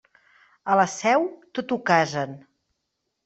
A la seu, tot ho casen.